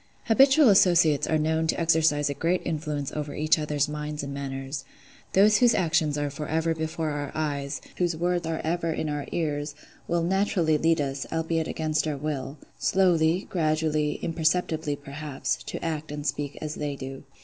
Habitual associates are known to exercise a great influence over each other's minds and manners. Those whose actions are for ever before our eyes, whose words are ever in our ears, will naturally lead us, albeit against our will, slowly, gradually, imperceptibly, perhaps, to act and speak as they do.